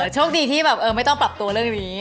โชคดีที่แบบไม่ต้องปรับตัวเรื่องนี้